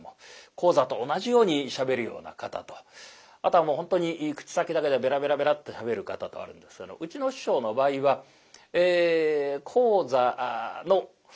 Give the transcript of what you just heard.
高座と同じようにしゃべるような方とあとはもう本当に口先だけでベラベラベラッとしゃべる方とあるんですけどうちの師匠の場合は高座の５割減というんでしょうかね